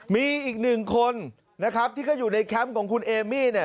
มีอีกหนึ่งคนนะครับที่เขาอยู่ในแคมป์ของคุณเอมี่เนี่ย